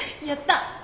やった！